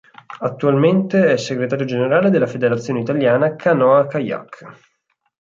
Attualmente è Segretario Generale della Federazione Italiana Canoa-Kayak.